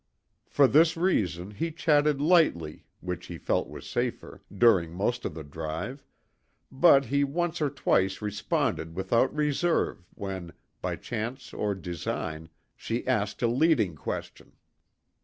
For this reason, he chatted lightly, which he felt was safer, during most of the drive, but he once or twice responded without reserve when, by chance or design, she asked a leading question.